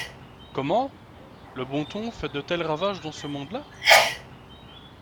Comment ! le bon ton fait de tels ravages dans ce monde-là ?